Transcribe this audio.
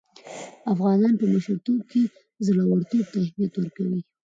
افغانان په مشرتوب کې زړه ورتوب ته اهميت ورکوي.